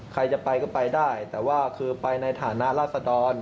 ใครจะไปก็ไปได้แต่ว่าคือไปในฐานะราศดร